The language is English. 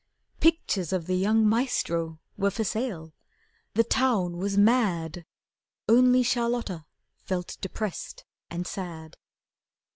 Pictures of the young "Maestro" were for sale. The town was mad. Only Charlotta felt depressed and sad.